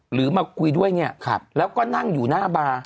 มาคุยด้วยเนี่ยแล้วก็นั่งอยู่หน้าบาร์